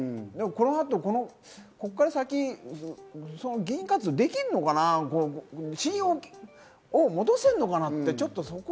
この後、ここから先議員活動できるのかな、信用を戻せるのかなって。